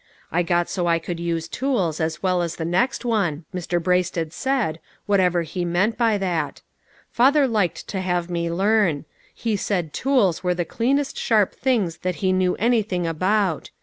I got so I could use tools, as well as the A GREAT UNDERTAKING. 103 next one, Mr. Braisted said, whatever he meant by that. Father liked to have me learn. He said tools were the cleanest sharp things that he knew anything about.